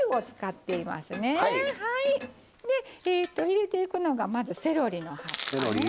入れていくのがまずセロリの葉っぱね。